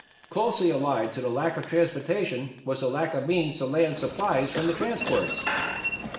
Closely allied to the lack of transportation was the lack of means to land supplies from the transports.